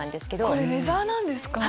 これレザーなんですか！